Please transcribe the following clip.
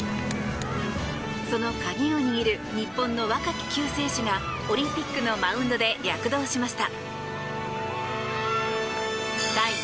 その鍵を握る日本の若き救世主がオリンピックのマウンドで躍動しました。